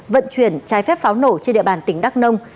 vận chuyển trái phép pháo nổ trên địa bàn tỉnh đắk nông